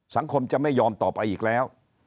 สังคมจะไม่ยอมต่อไปอีกแล้ว